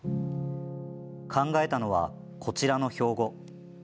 考えたのは、こちらの標語。